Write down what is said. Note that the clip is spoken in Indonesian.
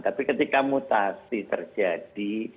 tapi ketika mutasi terjadi